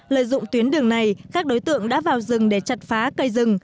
lợi dụng tuyến đường này các đối tượng đã vào rừng để chặt phá cây rừng